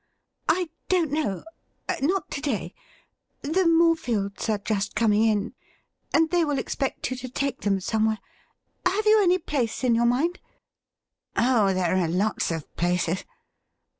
' I don't know. Not to day. The Morefields are just coming in, and they will expect you to take them some where. Have you any place in yom* mind .''''' Oh, there are lots of places.'